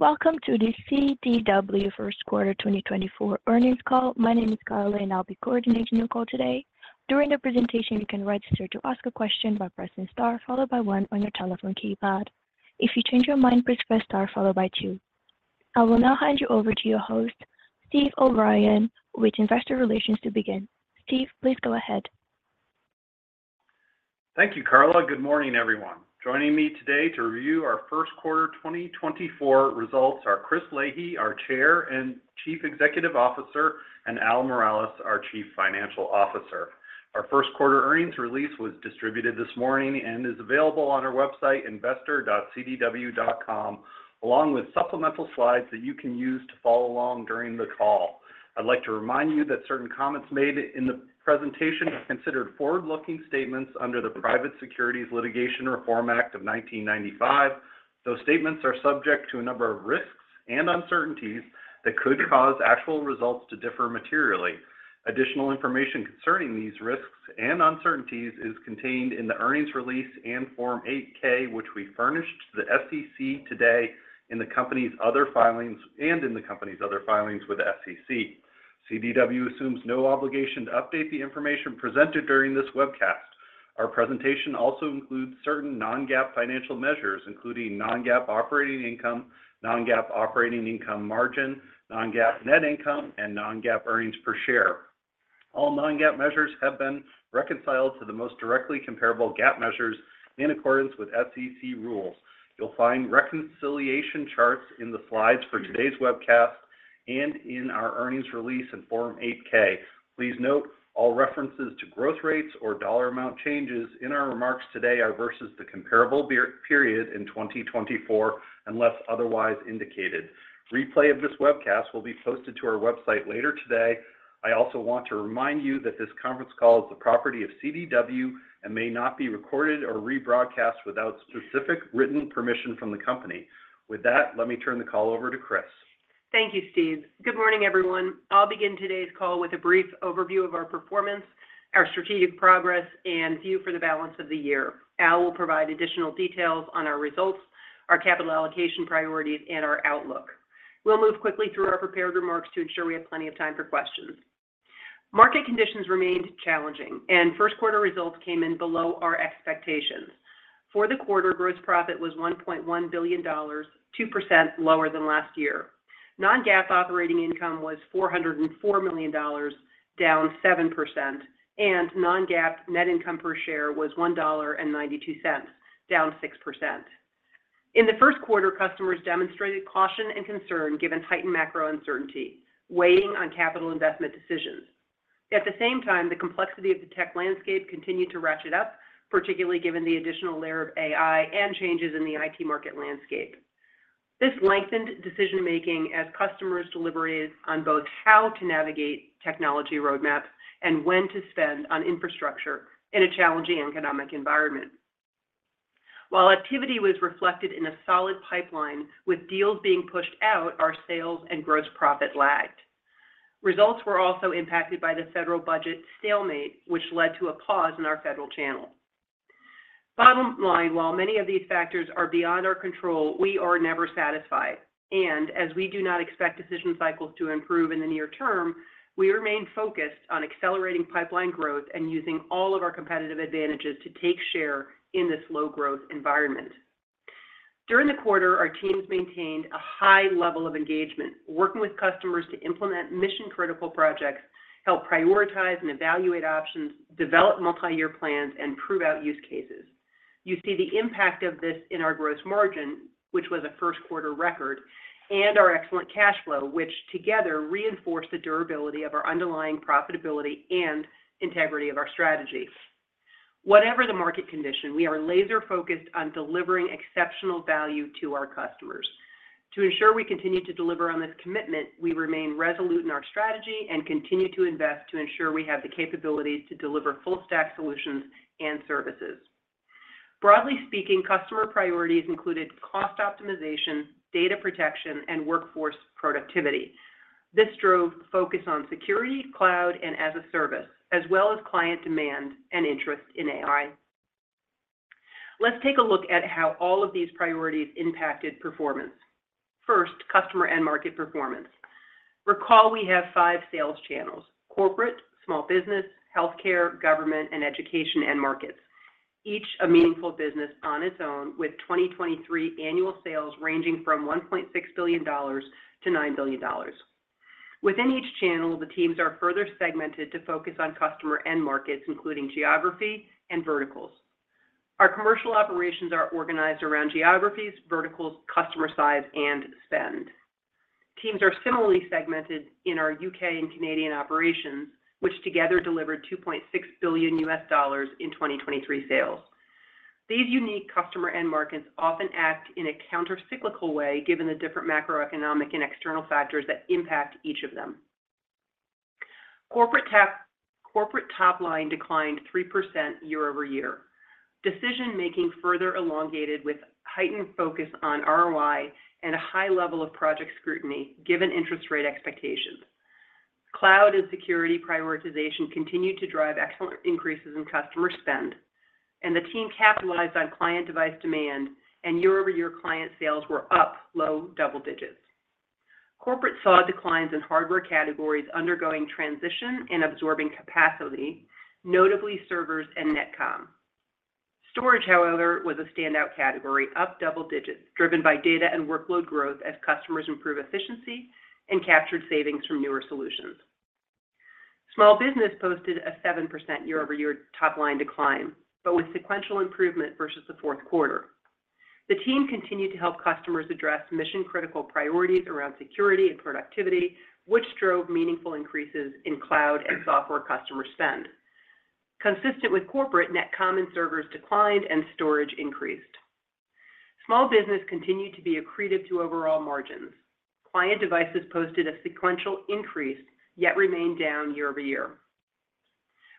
Welcome to the CDW first quarter 2024 earnings call. My name is Carla, and I'll be coordinating your call today. During the presentation, you can register to ask a question by pressing star followed by one on your telephone keypad. If you change your mind, please press star followed by two. I will now hand you over to your host, Steve O'Brien, with Investor Relations to begin. Steve, please go ahead. Thank you, Carla. Good morning, everyone. Joining me today to review our first quarter 2024 results are Chris Leahy, our Chair and Chief Executive Officer, and Al Miralles, our Chief Financial Officer. Our first quarter earnings release was distributed this morning and is available on our website, investor.cdw.com, along with supplemental slides that you can use to follow along during the call. I'd like to remind you that certain comments made in the presentation are considered forward-looking statements under the Private Securities Litigation Reform Act of 1995. Those statements are subject to a number of risks and uncertainties that could cause actual results to differ materially. Additional information concerning these risks and uncertainties is contained in the earnings release and Form 8-K, which we furnished to the SEC today, and in the company's other filings with the SEC. CDW assumes no obligation to update the information presented during this webcast. Our presentation also includes certain non-GAAP financial measures, including non-GAAP operating income, non-GAAP operating income margin, non-GAAP net income, and non-GAAP earnings per share. All non-GAAP measures have been reconciled to the most directly comparable GAAP measures in accordance with SEC rules. You'll find reconciliation charts in the slides for today's webcast and in our earnings release and Form 8-K. Please note, all references to growth rates or dollar amount changes in our remarks today are versus the comparable prior period in 2024, unless otherwise indicated. Replay of this webcast will be posted to our website later today. I also want to remind you that this conference call is the property of CDW and may not be recorded or rebroadcast without specific written permission from the company. With that, let me turn the call over to Chris. Thank you, Steve. Good morning, everyone. I'll begin today's call with a brief overview of our performance, our strategic progress, and view for the balance of the year. Al will provide additional details on our results, our capital allocation priorities, and our outlook. We'll move quickly through our prepared remarks to ensure we have plenty of time for questions. Market conditions remained challenging, and first quarter results came in below our expectations. For the quarter, gross profit was $1.1 billion, 2% lower than last year. Non-GAAP operating income was $404 million, down 7%, and non-GAAP net income per share was $1.92, down 6%. In the first quarter, customers demonstrated caution and concern given heightened macro uncertainty, weighing on capital investment decisions. At the same time, the complexity of the tech landscape continued to ratchet up, particularly given the additional layer of AI and changes in the IT market landscape. This lengthened decision-making as customers deliberated on both how to navigate technology roadmaps and when to spend on infrastructure in a challenging economic environment. While activity was reflected in a solid pipeline, with deals being pushed out, our sales and gross profit lagged. Results were also impacted by the federal budget stalemate, which led to a pause in our federal channel. Bottom line, while many of these factors are beyond our control, we are never satisfied, and as we do not expect decision cycles to improve in the near term, we remain focused on accelerating pipeline growth and using all of our competitive advantages to take share in this low-growth environment. During the quarter, our teams maintained a high level of engagement, working with customers to implement mission-critical projects, help prioritize and evaluate options, develop multi-year plans, and prove out use cases. You see the impact of this in our gross margin, which was a first quarter record, and our excellent cash flow, which together reinforce the durability of our underlying profitability and integrity of our strategy. Whatever the market condition, we are laser-focused on delivering exceptional value to our customers. To ensure we continue to deliver on this commitment, we remain resolute in our strategy and continue to invest to ensure we have the capabilities to deliver full-stack solutions and services. Broadly speaking, customer priorities included cost optimization, data protection, and workforce productivity. This drove focus on security, cloud, and as a service, as well as client demand and interest in AI. Let's take a look at how all of these priorities impacted performance. First, customer and market performance. Recall, we have five sales channels: corporate, small business, healthcare, government, and education, and markets. Each a meaningful business on its own, with 2023 annual sales ranging from $1.6 billion-$9 billion. Within each channel, the teams are further segmented to focus on customer end markets, including geography and verticals. Our commercial operations are organized around geographies, verticals, customer size, and spend. Teams are similarly segmented in our UK and Canadian operations, which together delivered $2.6 billion in 2023 sales. These unique customer end markets often act in a countercyclical way, given the different macroeconomic and external factors that impact each of them. Corporate top line declined 3% year-over-year. Decision-making further elongated with heightened focus on ROI and a high level of project scrutiny, given interest rate expectations. Cloud and security prioritization continued to drive excellent increases in customer spend, and the team capitalized on client device demand, and year-over-year client sales were up low double digits. Corporate saw declines in hardware categories undergoing transition and absorbing capacity, notably servers and NetComm. Storage, however, was a standout category, up double digits, driven by data and workload growth as customers improve efficiency and captured savings from newer solutions. Small business posted a 7% year-over-year top-line decline, but with sequential improvement versus the fourth quarter. The team continued to help customers address mission-critical priorities around security and productivity, which drove meaningful increases in cloud and software customer spend. Consistent with corporate, NetComm and servers declined and storage increased. Small business continued to be accretive to overall margins. Client devices posted a sequential increase, yet remained down year-over-year.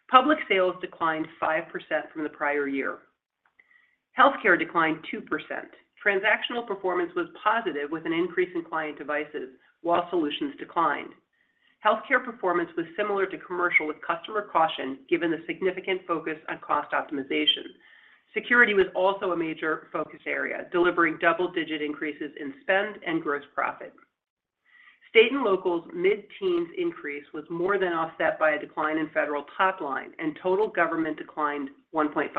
Public sales declined 5% from the prior year. Healthcare declined 2%. Transactional performance was positive, with an increase in client devices, while solutions declined. Healthcare performance was similar to commercial, with customer caution, given the significant focus on cost optimization. Security was also a major focus area, delivering double-digit increases in spend and gross profit. State and local's mid-teens increase was more than offset by a decline in federal top line, and total government declined 1.5%.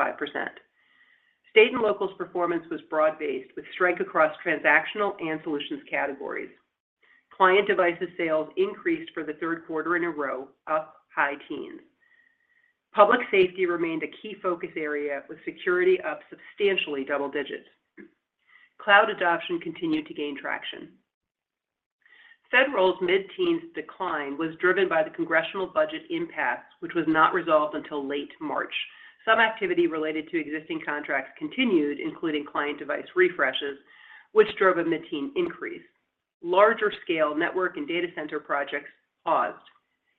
State and local's performance was broad-based, with strength across transactional and solutions categories. Client devices sales increased for the third quarter in a row, up high teens. Public safety remained a key focus area, with security up substantially double digits. Cloud adoption continued to gain traction. Federal's mid-teens decline was driven by the congressional budget impact, which was not resolved until late March. Some activity related to existing contracts continued, including client device refreshes, which drove a mid-teen increase. Larger-scale network and data center projects paused.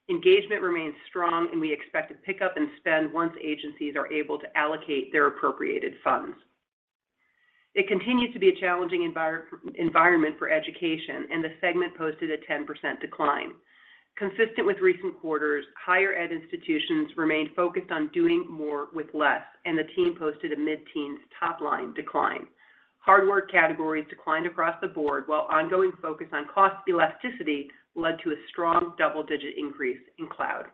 Engagement remains strong, and we expect to pick up and spend once agencies are able to allocate their appropriated funds. It continues to be a challenging environment for education, and the segment posted a 10% decline. Consistent with recent quarters, higher ed institutions remained focused on doing more with less, and the team posted a mid-teens top-line decline. Hardware categories declined across the board, while ongoing focus on cost elasticity led to a strong double-digit increase in cloud.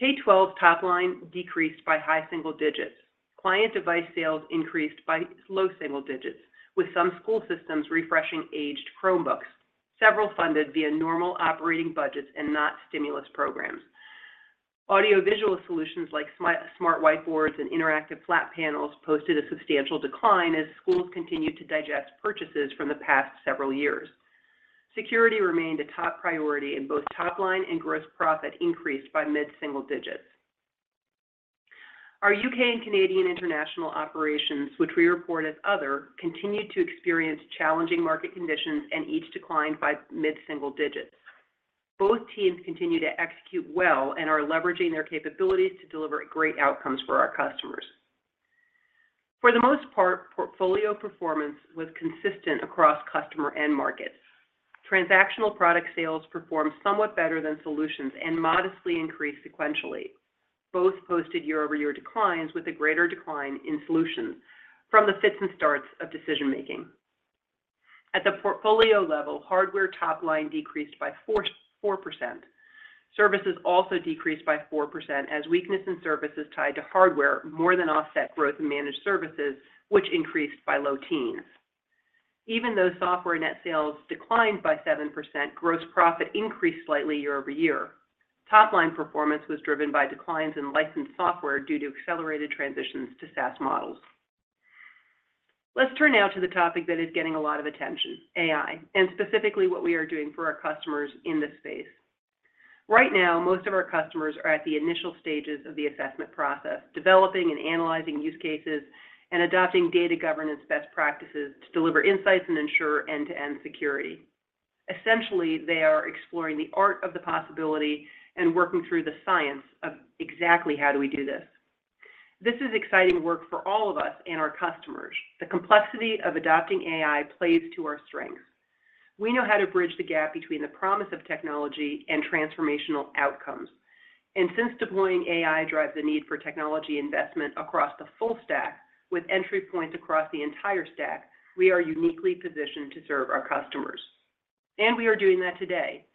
K-12's top line decreased by high single digits. Client device sales increased by low single digits, with some school systems refreshing aged Chromebooks, several funded via normal operating budgets and not stimulus programs. Audio visual solutions like smart whiteboards and interactive flat panels posted a substantial decline as schools continued to digest purchases from the past several years. Security remained a top priority, and both top line and gross profit increased by mid-single digits. Our UK and Canadian international operations, which we report as other, continued to experience challenging market conditions, and each declined by mid-single digits. Both teams continue to execute well and are leveraging their capabilities to deliver great outcomes for our customers. For the most part, portfolio performance was consistent across customer end markets. Transactional product sales performed somewhat better than solutions and modestly increased sequentially. Both posted year-over-year declines, with a greater decline in solutions from the fits and starts of decision making. At the portfolio level, hardware top line decreased by 4%. Services also decreased by 4%, as weakness in services tied to hardware more than offset growth in managed services, which increased by low teens. Even though software net sales declined by 7%, gross profit increased slightly year-over-year. Top-line performance was driven by declines in licensed software due to accelerated transitions to SaaS models. Let's turn now to the topic that is getting a lot of attention, AI, and specifically what we are doing for our customers in this space. Right now, most of our customers are at the initial stages of the assessment process, developing and analyzing use cases, and adopting data governance best practices to deliver insights and ensure end-to-end security. Essentially, they are exploring the art of the possibility and working through the science of exactly how do we do this. This is exciting work for all of us and our customers. The complexity of adopting AI plays to our strengths. We know how to bridge the gap between the promise of technology and transformational outcomes. And since deploying AI drives the need for technology investment across the full stack, with entry points across the entire stack, we are uniquely positioned to serve our customers, and we are doing that today.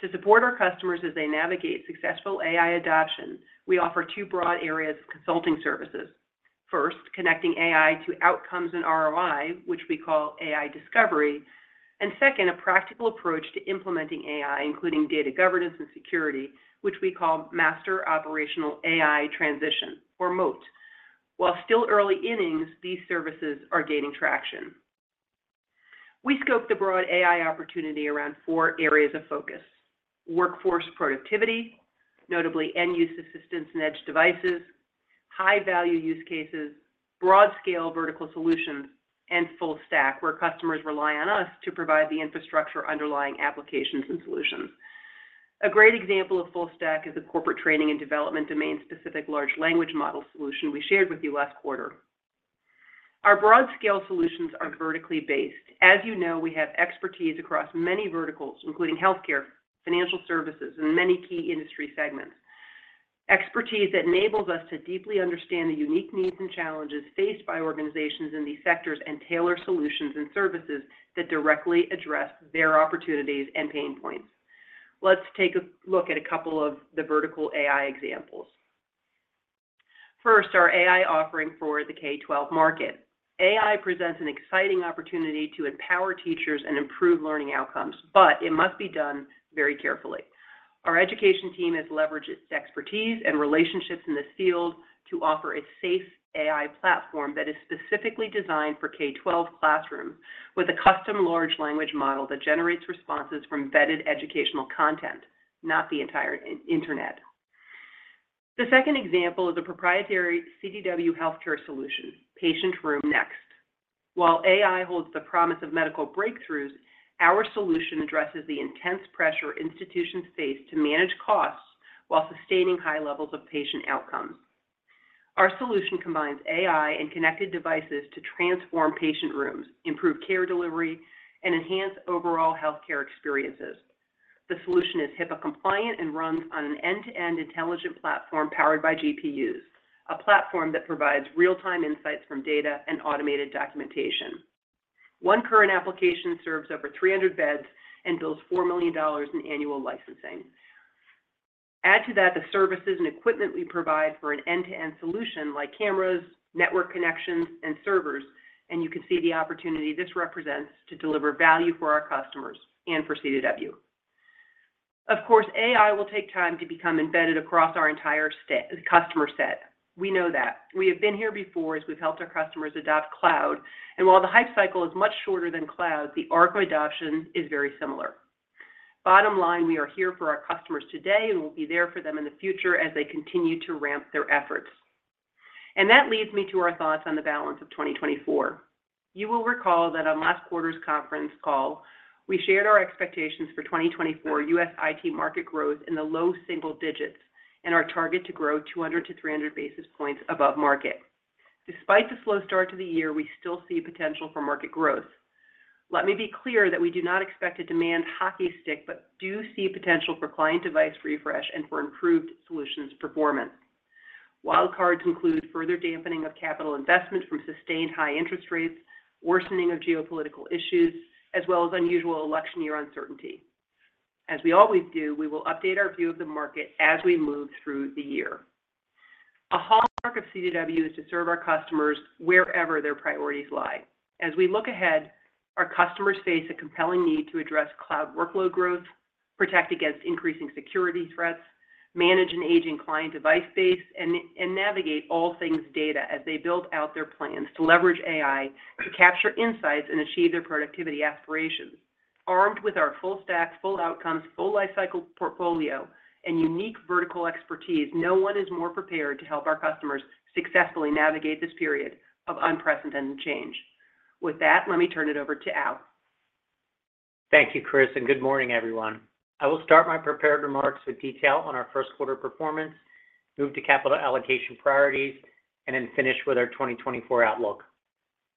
To support our customers as they navigate successful AI adoption, we offer two broad areas of consulting services. First, connecting AI to outcomes and ROI, which we call AI Discovery, and second, a practical approach to implementing AI, including data governance and security, which we call Mastering Operational AI Transformation, or MOAT. While still early innings, these services are gaining traction. We scoped the broad AI opportunity around 4 areas of focus: workforce productivity, notably end-user systems and edge devices, high-value use cases, broad-scale vertical solutions, and full stack, where customers rely on us to provide the infrastructure underlying applications and solutions. A great example of full stack is a corporate training and development domain-specific large language model solution we shared with you last quarter. Our broad-scale solutions are vertically based. As you know, we have expertise across many verticals, including healthcare, financial services, and many key industry segments. Expertise that enables us to deeply understand the unique needs and challenges faced by organizations in these sectors, and tailor solutions and services that directly address their opportunities and pain points. Let's take a look at a couple of the vertical AI examples. First, our AI offering for the K-12 market. AI presents an exciting opportunity to empower teachers and improve learning outcomes, but it must be done very carefully. Our education team has leveraged its expertise and relationships in this field to offer a safe AI platform that is specifically designed for K-12 classrooms, with a custom large language model that generates responses from vetted educational content, not the entire internet. The second example is a proprietary CDW healthcare solution, Patient Room Next. While AI holds the promise of medical breakthroughs, our solution addresses the intense pressure institutions face to manage costs while sustaining high levels of patient outcomes. Our solution combines AI and connected devices to transform patient rooms, improve care delivery, and enhance overall healthcare experiences. The solution is HIPAA compliant and runs on an end-to-end intelligent platform powered by GPUs, a platform that provides real-time insights from data and automated documentation. One current application serves over 300 beds and bills $4 million in annual licensing. Add to that, the services and equipment we provide for an end-to-end solution, like cameras, network connections, and servers, and you can see the opportunity this represents to deliver value for our customers and for CDW. Of course, AI will take time to become embedded across our entire customer set. We know that. We have been here before as we've helped our customers adopt cloud, and while the hype cycle is much shorter than cloud, the arc of adoption is very similar. Bottom line, we are here for our customers today, and we'll be there for them in the future as they continue to ramp their efforts. That leads me to our thoughts on the balance of 2024. You will recall that on last quarter's conference call, we shared our expectations for 2024 U.S. IT market growth in the low single digits, and our target to grow 200-300 basis points above market. Despite the slow start to the year, we still see potential for market growth. Let me be clear that we do not expect a demand hockey stick, but do see potential for client device refresh and for improved solutions performance. Wild cards include further dampening of capital investment from sustained high interest rates, worsening of geopolitical issues, as well as unusual election year uncertainty. As we always do, we will update our view of the market as we move through the year. A hallmark of CDW is to serve our customers wherever their priorities lie. As we look ahead, our customers face a compelling need to address cloud workload growth, protect against increasing security threats, manage an aging client device base, and navigate all things data as they build out their plans to leverage AI to capture insights and achieve their productivity aspirations. Armed with our full stack, full outcomes, full lifecycle portfolio, and unique vertical expertise, no one is more prepared to help our customers successfully navigate this period of unprecedented change. With that, let me turn it over to Al. Thank you, Chris, and good morning, everyone. I will start my prepared remarks with detail on our first quarter performance, move to capital allocation priorities, and then finish with our 2024 outlook.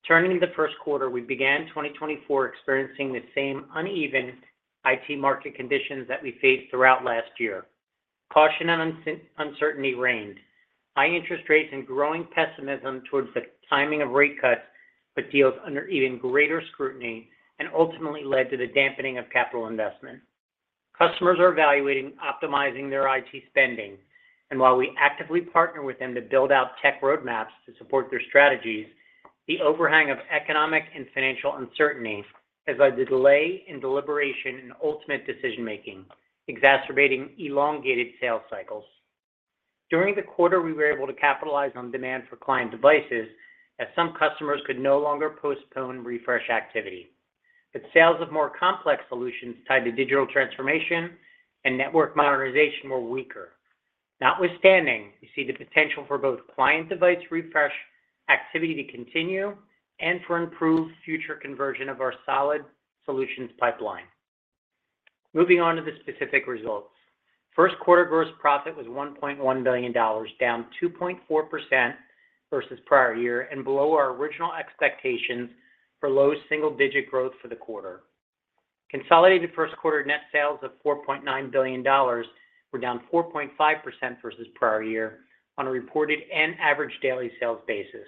Turning to the first quarter, we began 2024 experiencing the same uneven IT market conditions that we faced throughout last year. Caution and uncertainty reigned. High interest rates and growing pessimism towards the timing of rate cuts put deals under even greater scrutiny, and ultimately led to the dampening of capital investment. Customers are evaluating, optimizing their IT spending, and while we actively partner with them to build out tech roadmaps to support their strategies, the overhang of economic and financial uncertainty has led to delay in deliberation and ultimate decision-making, exacerbating elongated sales cycles. During the quarter, we were able to capitalize on demand for client devices, as some customers could no longer postpone refresh activity. But sales of more complex solutions tied to digital transformation and network modernization were weaker. Notwithstanding, we see the potential for both client device refresh activity to continue and for improved future conversion of our solid solutions pipeline. Moving on to the specific results. First quarter gross profit was $1.1 billion, down 2.4% versus prior year, and below our original expectations for low single-digit growth for the quarter. Consolidated first quarter net sales of $4.9 billion were down 4.5% versus prior year on a reported and average daily sales basis.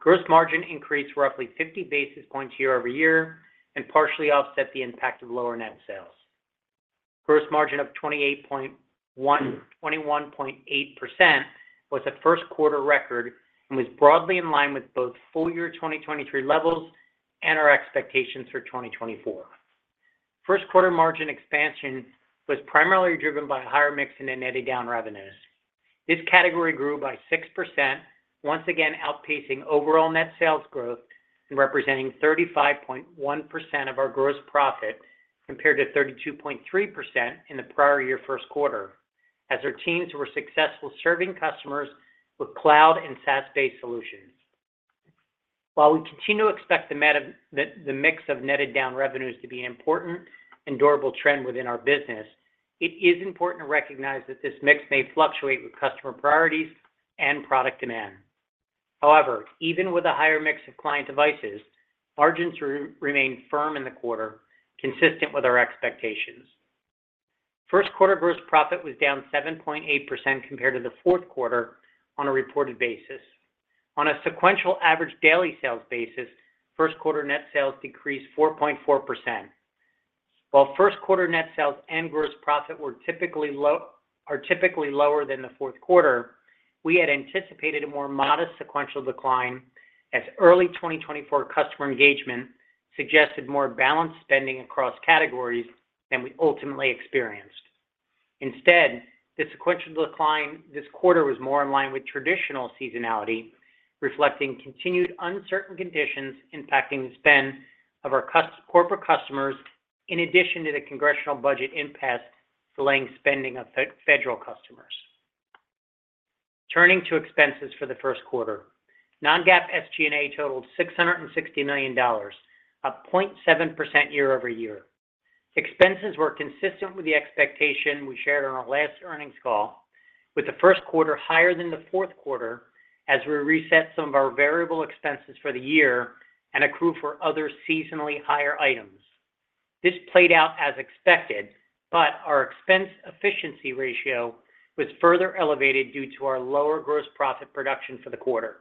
Gross margin increased roughly 50 basis points year-over-year and partially offset the impact of lower net sales. Gross margin of 21.8% was a first quarter record and was broadly in line with both full year 2023 levels and our expectations for 2024. First quarter margin expansion was primarily driven by higher mix in the netted down revenues. This category grew by 6%, once again outpacing overall net sales growth and representing 35.1% of our gross profit, compared to 32.3% in the prior year first quarter, as our teams were successful serving customers with cloud and SaaS-based solutions. While we continue to expect the mix of netted down revenues to be an important and durable trend within our business. It is important to recognize that this mix may fluctuate with customer priorities and product demand. However, even with a higher mix of client devices, margins remained firm in the quarter, consistent with our expectations. First quarter gross profit was down 7.8% compared to the fourth quarter on a reported basis. On a sequential average daily sales basis, first quarter net sales decreased 4.4%. While first quarter net sales and gross profit are typically lower than the fourth quarter, we had anticipated a more modest sequential decline as early 2024 customer engagement suggested more balanced spending across categories than we ultimately experienced. Instead, the sequential decline this quarter was more in line with traditional seasonality, reflecting continued uncertain conditions impacting the spend of our corporate customers, in addition to the Congressional budget impasse delaying spending of federal customers. Turning to expenses for the first quarter, non-GAAP SG&A totaled $660 million, up 0.7% year-over-year. Expenses were consistent with the expectation we shared on our last earnings call, with the first quarter higher than the fourth quarter as we reset some of our variable expenses for the year and accrue for other seasonally higher items. This played out as expected, but our expense efficiency ratio was further elevated due to our lower gross profit production for the quarter.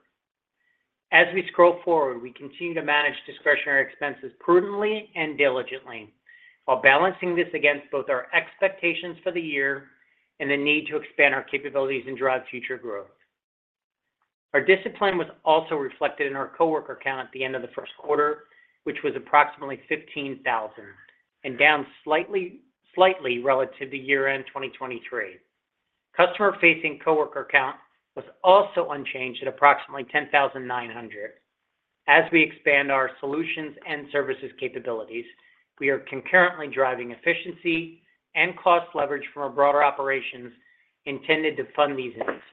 As we scroll forward, we continue to manage discretionary expenses prudently and diligently, while balancing this against both our expectations for the year and the need to expand our capabilities and drive future growth. Our discipline was also reflected in our coworker count at the end of the first quarter, which was approximately 15,000, and down slightly relative to year-end 2023. Customer-facing coworker count was also unchanged at approximately 10,900. As we expand our solutions and services capabilities, we are concurrently driving efficiency and cost leverage from our broader operations intended to fund these investments.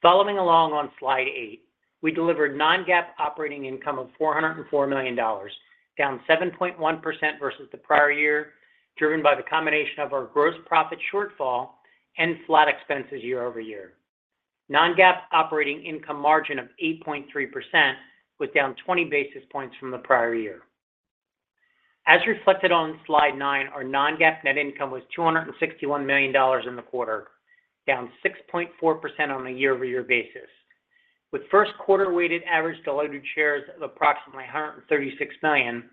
Following along on slide eight, we delivered Non-GAAP operating income of $404 million, down 7.1% versus the prior year, driven by the combination of our gross profit shortfall and flat expenses year-over-year. Non-GAAP operating income margin of 8.3% was down 20 basis points from the prior year. As reflected on slide nine, our Non-GAAP net income was $261 million in the quarter, down 6.4% on a year-over-year basis. With first quarter weighted average diluted shares of approximately $136 million,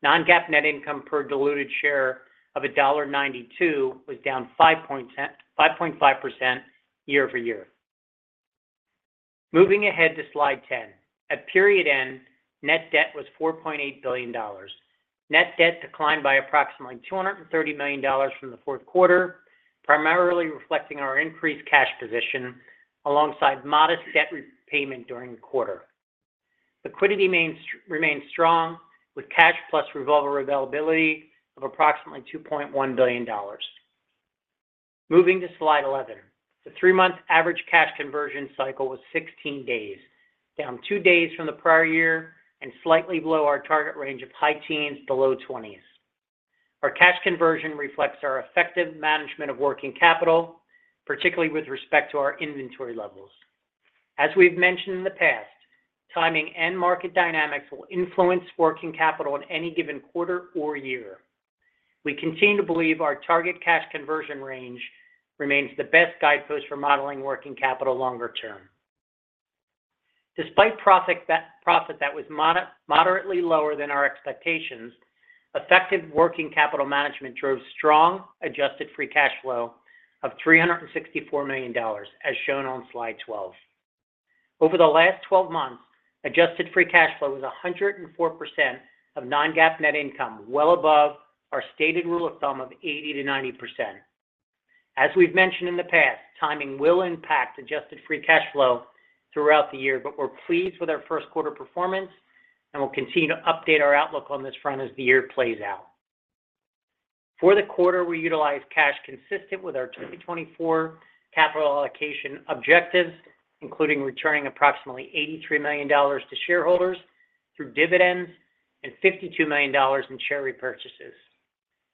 Non-GAAP net income per diluted share of $1.92 was down 5.1-5.5% year-over-year. Moving ahead to Slide 10. At period end, net debt was $4.8 billion. Net debt declined by approximately $230 million from the fourth quarter, primarily reflecting our increased cash position alongside modest debt repayment during the quarter. Liquidity remains strong, with cash plus revolver availability of approximately $2.1 billion. Moving to Slide 11. The three-month average cash conversion cycle was 16 days, down two days from the prior year and slightly below our target range of high teens to low twenties. Our cash conversion reflects our effective management of working capital, particularly with respect to our inventory levels. As we've mentioned in the past, timing and market dynamics will influence working capital in any given quarter or year. We continue to believe our target cash conversion range remains the best guidepost for modeling working capital longer term. Despite profits that were moderately lower than our expectations, effective working capital management drove strong adjusted free cash flow of $364 million, as shown on Slide 12. Over the last 12 months, adjusted free cash flow was 104% of non-GAAP net income, well above our stated rule of thumb of 80%-90%. As we've mentioned in the past, timing will impact adjusted free cash flow throughout the year, but we're pleased with our first quarter performance, and we'll continue to update our outlook on this front as the year plays out. For the quarter, we utilized cash consistent with our 2024 capital allocation objectives, including returning approximately $83 million to shareholders through dividends and $52 million in share repurchases.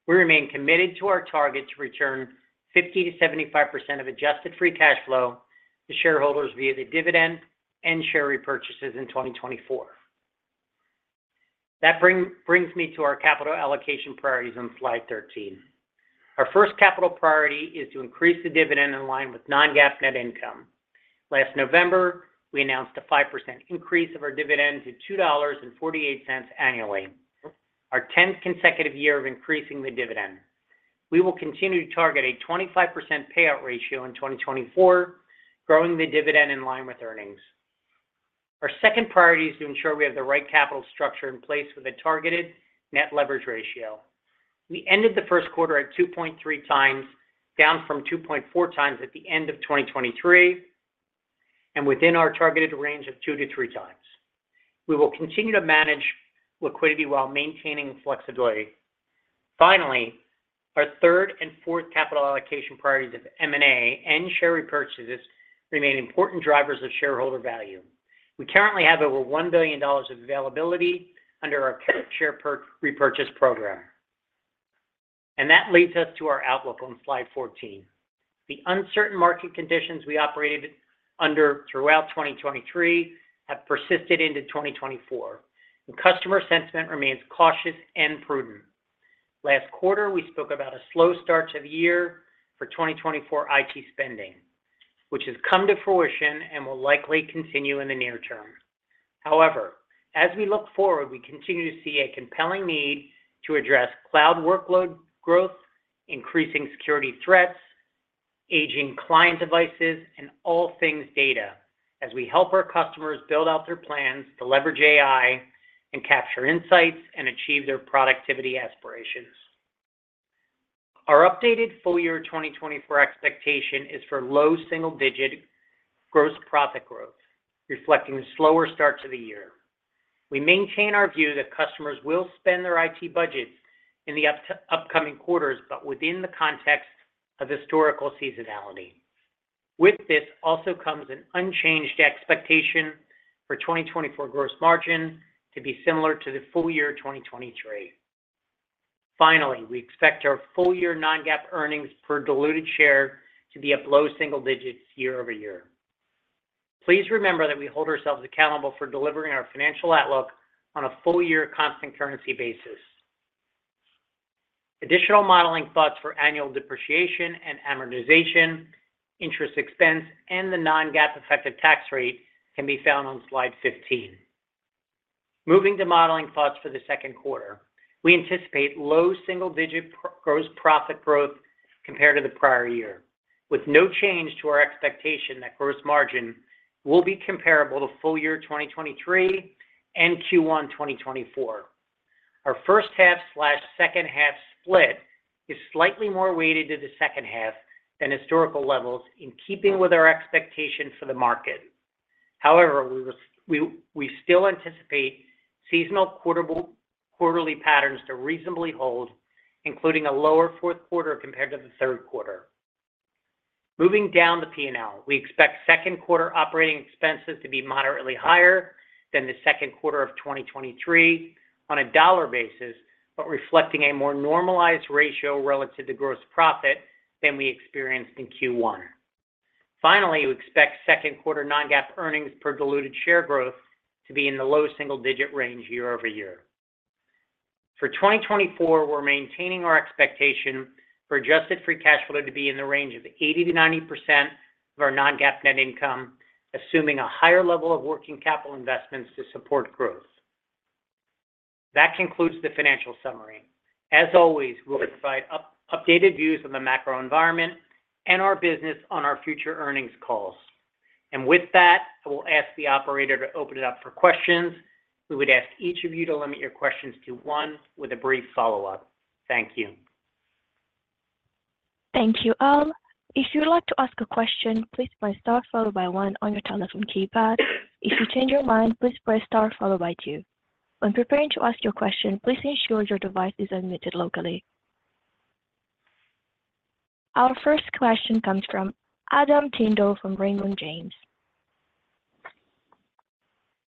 We remain committed to our target to return 50%-75% of adjusted free cash flow to shareholders via the dividend and share repurchases in 2024. That brings me to our capital allocation priorities on Slide 13. Our first capital priority is to increase the dividend in line with non-GAAP net income. Last November, we announced a 5% increase of our dividend to $2.48 annually, our 10th consecutive year of increasing the dividend. We will continue to target a 25% payout ratio in 2024, growing the dividend in line with earnings. Our second priority is to ensure we have the right capital structure in place with a targeted net leverage ratio. We ended the first quarter at 2.3x, down from 2.4x at the end of 2023, and within our targeted range of 2 to 3 times. We will continue to manage liquidity while maintaining flexibility. Finally, our third and fourth capital allocation priorities of M&A and share repurchases remain important drivers of shareholder value. We currently have over $1 billion of availability under our share repurchase program. And that leads us to our outlook on slide 14. The uncertain market conditions we operated under throughout 2023 have persisted into 2024, and customer sentiment remains cautious and prudent. Last quarter, we spoke about a slow start to the year for 2024 IT spending, which has come to fruition and will likely continue in the near term. However, as we look forward, we continue to see a compelling need to address cloud workload growth, increasing security threats, aging client devices, and all things data, as we help our customers build out their plans to leverage AI and capture insights, and achieve their productivity aspirations. Our updated full year 2024 expectation is for low single-digit gross profit growth, reflecting the slower start to the year. We maintain our view that customers will spend their IT budgets in the upcoming quarters, but within the context of historical seasonality. With this also comes an unchanged expectation for 2024 gross margin to be similar to the full year 2023. Finally, we expect our full-year non-GAAP earnings per diluted share to be up low single digits year over year. Please remember that we hold ourselves accountable for delivering our financial outlook on a full-year constant currency basis. Additional modeling thoughts for annual depreciation and amortization, interest expense, and the non-GAAP effective tax rate can be found on slide 15. Moving to modeling thoughts for the second quarter. We anticipate low single-digit gross profit growth compared to the prior year, with no change to our expectation that gross margin will be comparable to full year 2023 and Q1 2024. Our first half/second half split is slightly more weighted to the second half than historical levels, in keeping with our expectations for the market. However, we still anticipate seasonal quarterly patterns to reasonably hold, including a lower fourth quarter compared to the third quarter. Moving down the P&L, we expect second quarter operating expenses to be moderately higher than the second quarter of 2023 on a dollar basis, but reflecting a more normalized ratio relative to gross profit than we experienced in Q1. Finally, we expect second quarter non-GAAP earnings per diluted share growth to be in the low single-digit range year-over-year. For 2024, we're maintaining our expectation for adjusted free cash flow to be in the range of 80%-90% of our non-GAAP net income, assuming a higher level of working capital investments to support growth. That concludes the financial summary. As always, we'll provide updated views of the macro environment and our business on our future earnings calls. And with that, I will ask the operator to open it up for questions. We would ask each of you to limit your questions to one with a brief follow-up. Thank you. Thank you, Al. If you would like to ask a question, please press star followed by one on your telephone keypad. If you change your mind, please press star followed by two. When preparing to ask your question, please ensure your device is unmuted locally. Our first question comes from Adam Tindle from Raymond James.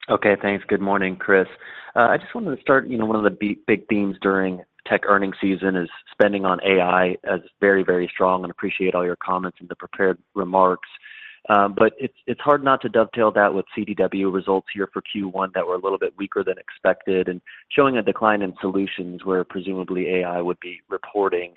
Okay, thanks. Good morning, Chris. I just wanted to start, you know, one of the big themes during tech earnings season is spending on AI as very, very strong, and appreciate all your comments in the prepared remarks. But it's hard not to dovetail that with CDW results here for Q1 that were a little bit weaker than expected, and showing a decline in solutions where presumably AI would be reporting.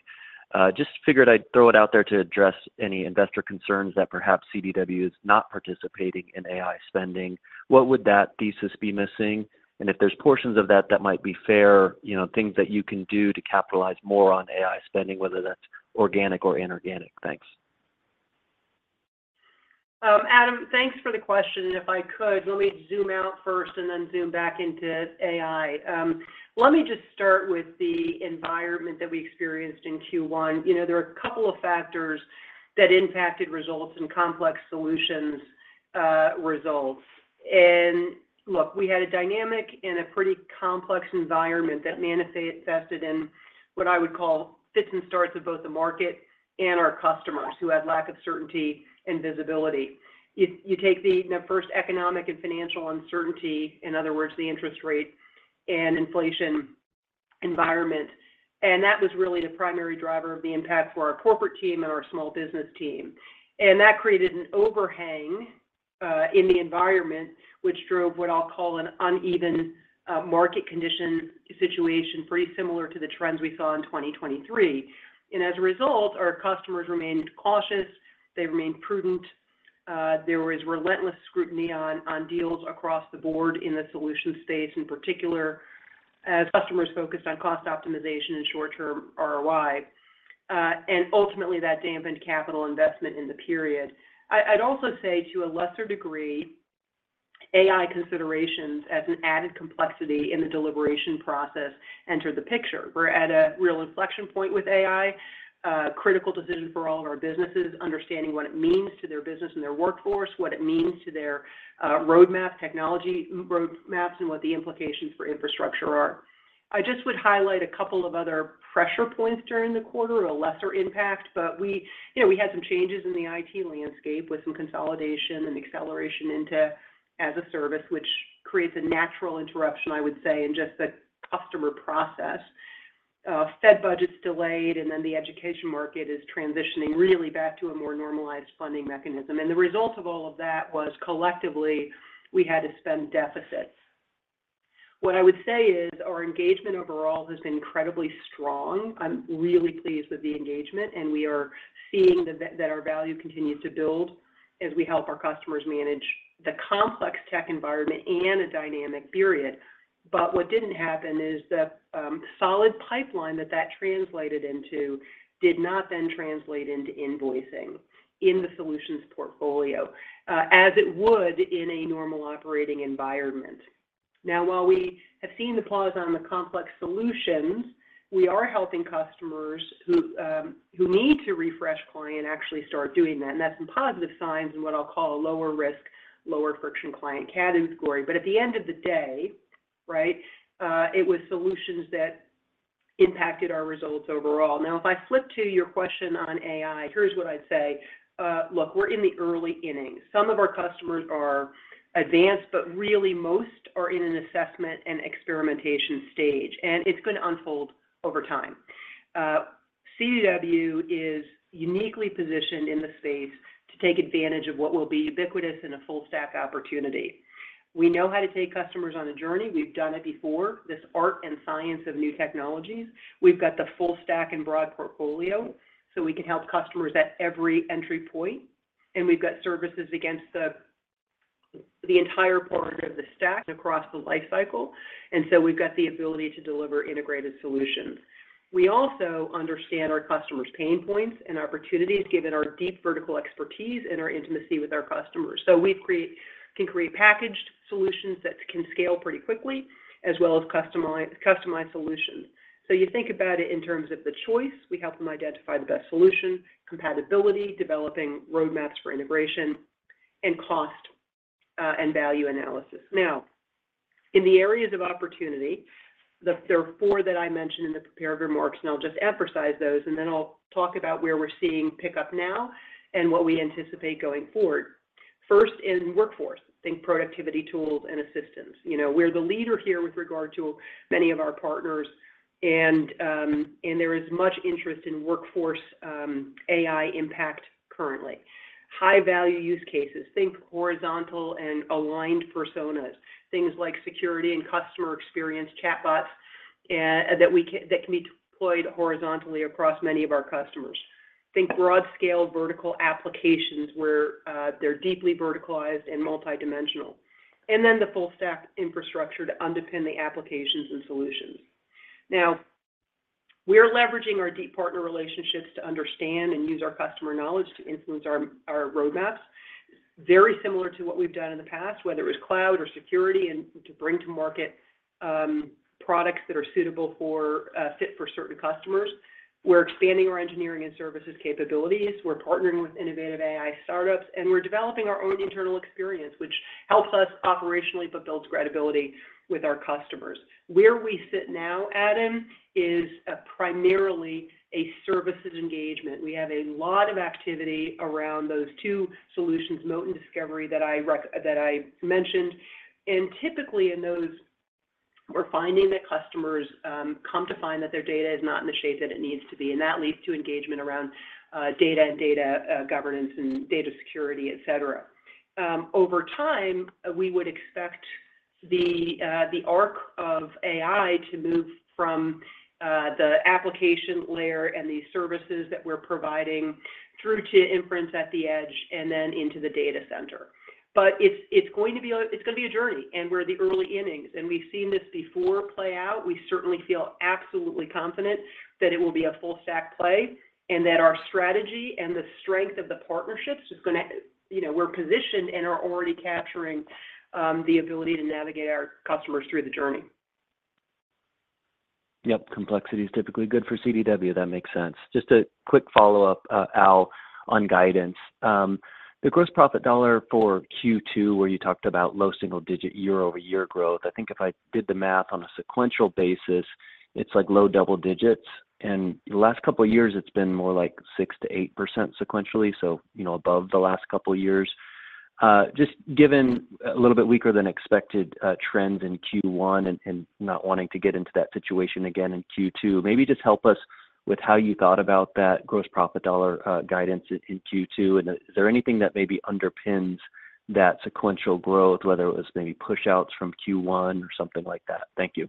Just figured I'd throw it out there to address any investor concerns that perhaps CDW is not participating in AI spending. What would that thesis be missing? And if there's portions of that that might be fair, you know, things that you can do to capitalize more on AI spending, whether that's organic or inorganic. Thanks. Adam, thanks for the question, and if I could, let me zoom out first and then zoom back into AI. Let me just start with the environment that we experienced in Q1. You know, there are a couple of factors that impacted results and complex solutions results. And look, we had a dynamic and a pretty complex environment that manifested in what I would call fits and starts of both the market and our customers, who had lack of certainty and visibility. If you take the first economic and financial uncertainty, in other words, the interest rate and inflation environment, and that was really the primary driver of the impact for our corporate team and our small business team. That created an overhang in the environment, which drove what I'll call an uneven market condition situation, pretty similar to the trends we saw in 2023. As a result, our customers remained cautious. They remained prudent. There was relentless scrutiny on deals across the board in the solution space, in particular, as customers focused on cost optimization and short-term ROI, and ultimately, that dampened capital investment in the period. I'd also say, to a lesser degree, AI considerations as an added complexity in the deliberation process entered the picture. We're at a real inflection point with AI, a critical decision for all of our businesses, understanding what it means to their business and their workforce, what it means to their roadmap, technology roadmaps, and what the implications for infrastructure are. I just would highlight a couple of other pressure points during the quarter, a lesser impact, but we, you know, we had some changes in the IT landscape with some consolidation and acceleration into as a service, which creates a natural interruption, I would say, in just the customer process. Fed budget's delayed, and then the education market is transitioning really back to a more normalized funding mechanism. And the result of all of that was collectively, we had to spend deficits. What I would say is, our engagement overall has been incredibly strong. I'm really pleased with the engagement, and we are seeing that, that our value continues to build as we help our customers manage the complex tech environment and a dynamic period. But what didn't happen is the solid pipeline that that translated into did not then translate into invoicing in the solutions portfolio, as it would in a normal operating environment. Now, while we have seen the pause on the complex solutions, we are helping customers who, who need to refresh client, actually start doing that. And that's some positive signs in what I'll call a lower risk, lower friction client category. But at the end of the day, right, it was solutions that impacted our results overall. Now, if I flip to your question on AI, here's what I'd say: Look, we're in the early innings. Some of our customers are advanced, but really, most are in an assessment and experimentation stage, and it's gonna unfold over time. CDW is uniquely positioned in the space to take advantage of what will be ubiquitous and a full stack opportunity. We know how to take customers on a journey. We've done it before, this art and science of new technologies. We've got the full stack and broad portfolio, so we can help customers at every entry point, and we've got services against the entire part of the stack across the lifecycle, and so we've got the ability to deliver integrated solutions. We also understand our customers' pain points and opportunities, given our deep vertical expertise and our intimacy with our customers. So we can create packaged solutions that can scale pretty quickly, as well as customize, customized solutions. So you think about it in terms of the choice, we help them identify the best solution, compatibility, developing roadmaps for integration, and cost, and value analysis. Now, in the areas of opportunity, there are four that I mentioned in the prepared remarks, and I'll just emphasize those, and then I'll talk about where we're seeing pickup now and what we anticipate going forward. First, in workforce, think productivity tools and assistance. You know, we're the leader here with regard to many of our partners, and there is much interest in workforce AI impact currently. High-value use cases, think horizontal and aligned personas, things like security and customer experience, chatbots, and that can be deployed horizontally across many of our customers. Think broad-scale vertical applications, where they're deeply verticalized and multidimensional. And then the full stack infrastructure to underpin the applications and solutions. Now, we are leveraging our deep partner relationships to understand and use our customer knowledge to influence our roadmaps, very similar to what we've done in the past, whether it was cloud or security, and to bring to market products that are suitable for, fit for certain customers. We're expanding our engineering and services capabilities, we're partnering with innovative AI startups, and we're developing our own internal experience, which helps us operationally, but builds credibility with our customers. Where we sit now, Adam, is primarily a services engagement. We have a lot of activity around those two solutions, Moat and Discovery, that I mentioned. Typically in those, we're finding that customers come to find that their data is not in the shape that it needs to be, and that leads to engagement around data and data governance and data security, et cetera. Over time, we would expect the arc of AI to move from the application layer and the services that we're providing through to inference at the edge, and then into the data center. But it's going to be a journey, and we're the early innings, and we've seen this before play out. We certainly feel absolutely confident that it will be a full stack play, and that our strategy and the strength of the partnerships is gonna, you know, we're positioned and are already capturing the ability to navigate our customers through the journey. Yep, complexity is typically good for CDW. That makes sense. Just a quick follow-up, Al, on guidance. The gross profit dollar for Q2, where you talked about low single digit year-over-year growth, I think if I did the math on a sequential basis, it's like low double digits. And the last couple of years, it's been more like 6%-8% sequentially, so you know, above the last couple of years. Just given a little bit weaker than expected trend in Q1 and not wanting to get into that situation again in Q2, maybe just help us with how you thought about that gross profit dollar guidance in Q2, and is there anything that maybe underpins that sequential growth, whether it was maybe push-outs from Q1 or something like that? Thank you.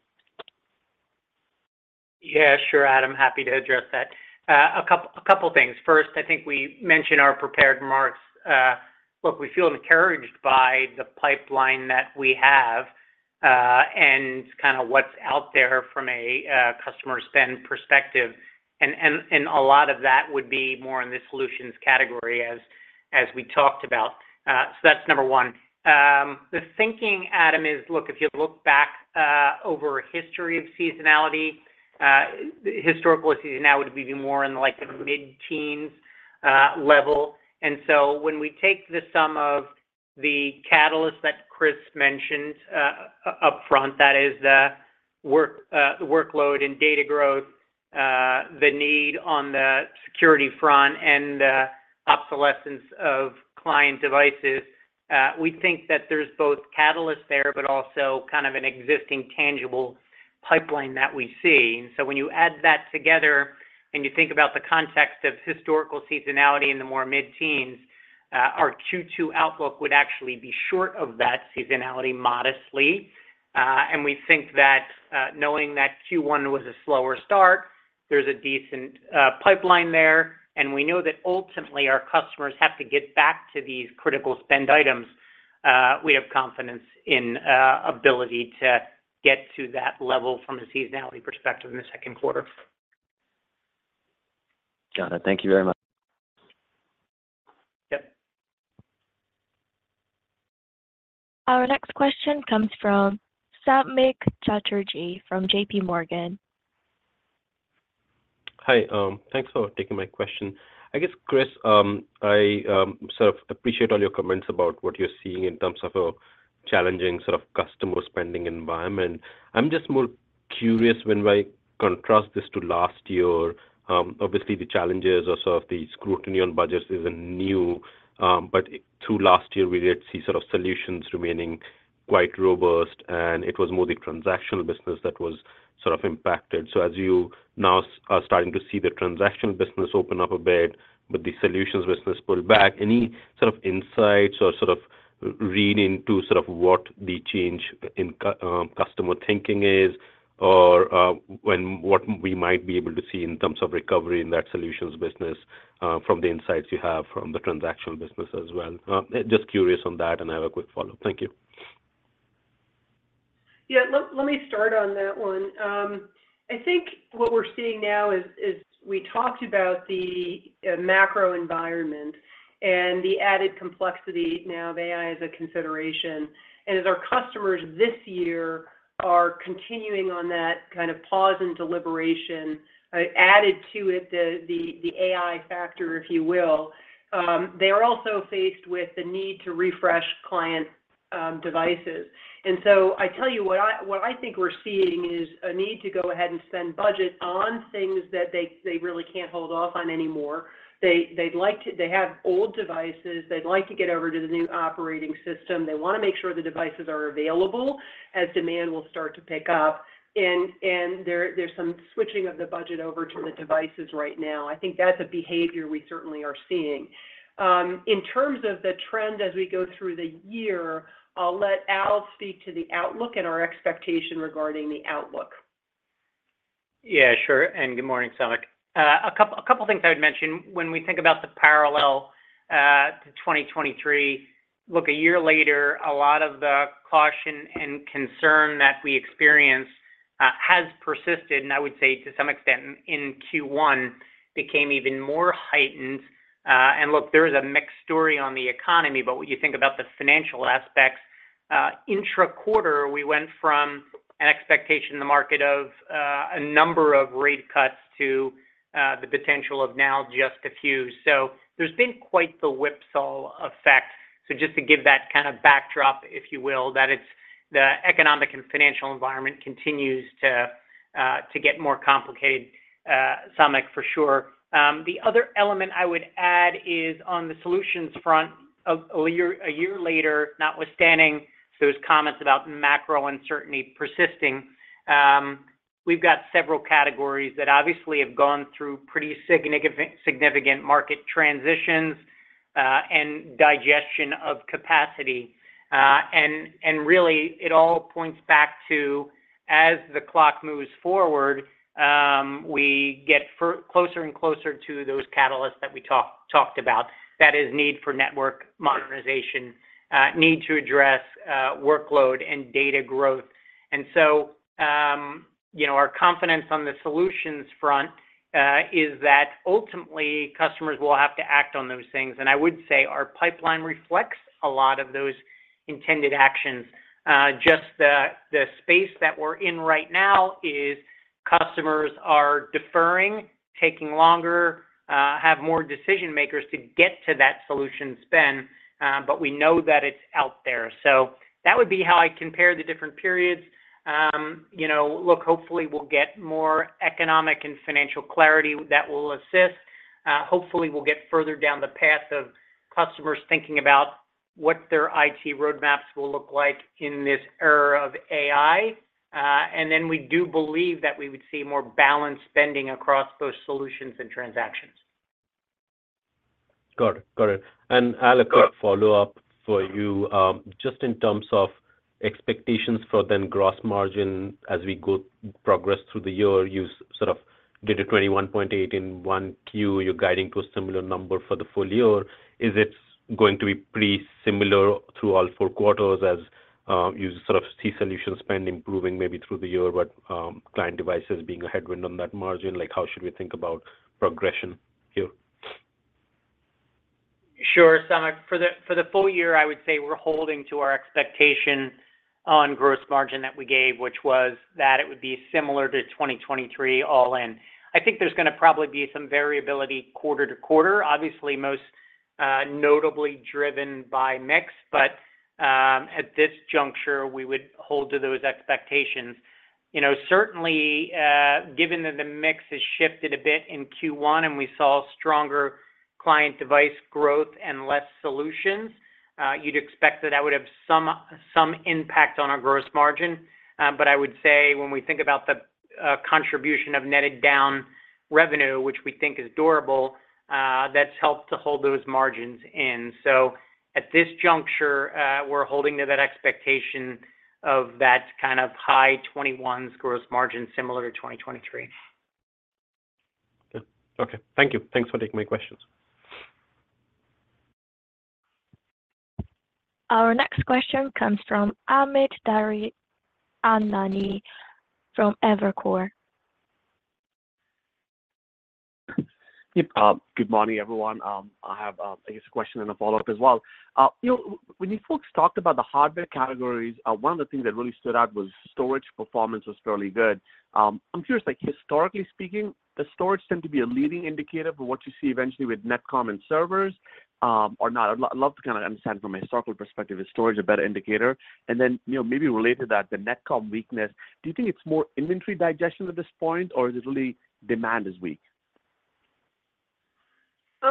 Yeah, sure, Adam, happy to address that. A couple things. First, I think we mentioned our prepared remarks. Look, we feel encouraged by the pipeline that we have, and kind of what's out there from a customer spend perspective. And a lot of that would be more in the solutions category, as we talked about. So that's number one. The thinking, Adam, is, look, if you look back over a history of seasonality, historical seasonality, now would be more in the, like, the mid-teens level. And so when we take the sum of the catalyst that Chris mentioned up front, that is the workload and data growth, the need on the security front, and the obsolescence of client devices. We think that there's both catalyst there, but also kind of an existing tangible pipeline that we see. So when you add that together and you think about the context of historical seasonality in the more mid-teens, our Q2 outlook would actually be short of that seasonality modestly. And we think that knowing that Q1 was a slower start, there's a decent pipeline there. And we know that ultimately our customers have to get back to these critical spend items. We have confidence in ability to get to that level from a seasonality perspective in the second quarter. Got it. Thank you very much. Yep. Our next question comes from Samik Chatterjee from J.P. Morgan. Hi, thanks for taking my question. I guess, Chris, I sort of appreciate all your comments about what you're seeing in terms of a challenging sort of customer spending environment. I'm just more curious when I contrast this to last year. Obviously, the challenges or sort of the scrutiny on budgets isn't new, but through last year, we did see sort of solutions remaining quite robust, and it was more the transactional business that was sort of impacted. So as you now are starting to see the transactional business open up a bit, but the solutions business pull back, any sort of insights or sort of reading to sort of what the change in customer thinking is, or, when what we might be able to see in terms of recovery in that solutions business, from the insights you have from the transactional business as well? Just curious on that, and I have a quick follow-up. Thank you. Yeah, let me start on that one. I think what we're seeing now is we talked about the macro environment and the added complexity now of AI as a consideration. And as our customers this year are continuing on that kind of pause and deliberation, added to it the AI factor, if you will, they are also faced with the need to refresh client devices. And so I tell you what I think we're seeing is a need to go ahead and spend budget on things that they really can't hold off on anymore. They have old devices. They'd like to get over to the new operating system. They want to make sure the devices are available as demand will start to pick up, and there, there's some switching of the budget over to the devices right now. I think that's a behavior we certainly are seeing. In terms of the trend as we go through the year, I'll let Al speak to the outlook and our expectation regarding the outlook. Yeah, sure, and good morning, Samik. A couple of things I would mention when we think about the parallel to 2023. Look, a year later, a lot of the caution and concern that we experienced has persisted, and I would say to some extent in Q1, became even more heightened. And look, there is a mixed story on the economy, but when you think about the financial aspects, intra-quarter, we went from an expectation in the market of a number of rate cuts to the potential of now just a few. So there's been quite the whipsaw effect. So just to give that kind of backdrop, if you will, that it's the economic and financial environment continues to get more complicated, Samik, for sure. The other element I would add is on the solutions front, a year later, notwithstanding those comments about macro uncertainty persisting, we've got several categories that obviously have gone through pretty significant market transitions, and digestion of capacity. And really, it all points back to as the clock moves forward, we get closer and closer to those catalysts that we talked about. That is, need for network modernization, need to address workload and data growth. And so, you know, our confidence on the solutions front is that ultimately customers will have to act on those things. And I would say our pipeline reflects a lot of those intended actions. Just the space that we're in right now is customers are deferring, taking longer, have more decision makers to get to that solution spend, but we know that it's out there. So that would be how I compare the different periods. You know, look, hopefully we'll get more economic and financial clarity that will assist. Hopefully, we'll get further down the path of customers thinking about what their IT roadmaps will look like in this era of AI. And then we do believe that we would see more balanced spending across those solutions and transactions. Got it. Got it. And, Al, a quick follow-up for you. Just in terms of expectations for then gross margin as we go progress through the year, you sort of did a 21.8% in Q1, you're guiding to a similar number for the full year. Is it going to be pretty similar through all four quarters as you sort of see solution spend improving maybe through the year, but client devices being a headwind on that margin? Like, how should we think about progression here? Sure, Samik. For the full year, I would say we're holding to our expectation on gross margin that we gave, which was that it would be similar to 2023 all in. I think there's gonna probably be some variability quarter to quarter. Obviously, most notably driven by mix, but at this juncture, we would hold to those expectations. You know, certainly, given that the mix has shifted a bit in Q1, and we saw stronger client device growth and less solutions, you'd expect that that would have some impact on our gross margin. But I would say when we think about the contribution of netted down revenue, which we think is durable, that's helped to hold those margins in. So at this juncture, we're holding to that expectation of that kind of high 20s gross margin, similar to 2023. Good. Okay, thank you. Thanks for taking my questions. Our next question comes from Amit Daryanani from Evercore. Yep, good morning, everyone. I have, I guess, a question and a follow-up as well. You know, when you folks talked about the hardware categories, one of the things that really stood out was storage performance was fairly good. I'm curious, like, historically speaking, does storage tend to be a leading indicator for what you see eventually with NetComm and servers, or not? I'd love to kinda understand from a historical perspective, is storage a better indicator? And then, you know, maybe related to that, the NetComm weakness, do you think it's more inventory digestion at this point, or is it really demand is weak?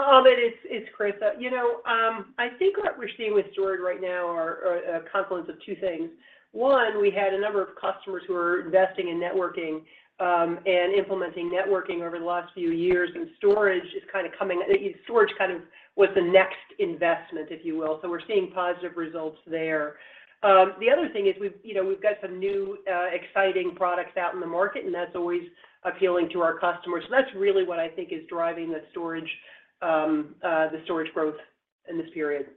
Amit, it's Chris. You know, I think what we're seeing with storage right now are a confluence of two things. One, we had a number of customers who were investing in networking, and implementing networking over the last few years, and storage is kinda coming, storage kind of was the next investment, if you will. So we're seeing positive results there. The other thing is, we've, you know, we've got some new, exciting products out in the market, and that's always appealing to our customers. So that's really what I think is driving the storage, the storage growth in this period.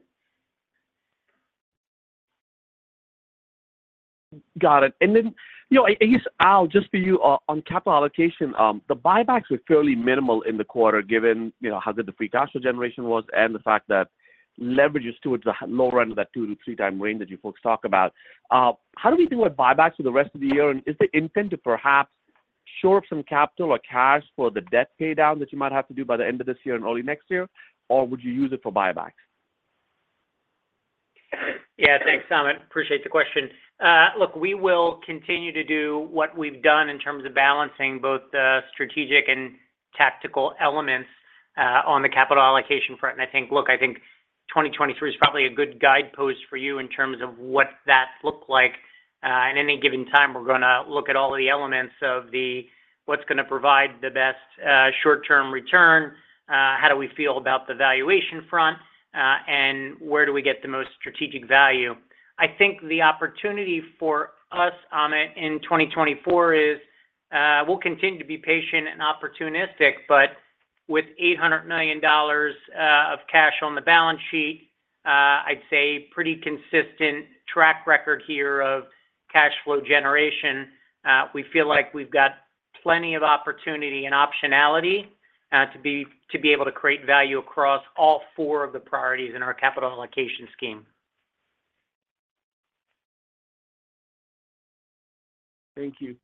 Got it. And then, you know, I guess, Al, just for you, on capital allocation, the buybacks were fairly minimal in the quarter, given, you know, how good the free cash flow generation was and the fact that leverage is towards the lower end of that 2-3 times range that you folks talk about. How do we think with buybacks for the rest of the year, and is the intent to perhaps shore up some capital or cash for the debt paydown that you might have to do by the end of this year and early next year, or would you use it for buybacks? Yeah, thanks, Amit. Appreciate the question. Look, we will continue to do what we've done in terms of balancing both the strategic and tactical elements on the capital allocation front. And I think, look, I think 2023 is probably a good guidepost for you in terms of what that look like. At any given time, we're gonna look at all the elements of the, what's gonna provide the best short-term return, how do we feel about the valuation front, and where do we get the most strategic value? I think the opportunity for us, Amit, in 2024 is, we'll continue to be patient and opportunistic, but with $800 million of cash on the balance sheet, I'd say pretty consistent track record here of cash flow generation. We feel like we've got plenty of opportunity and optionality to be able to create value across all four of the priorities in our capital allocation scheme. Thank you.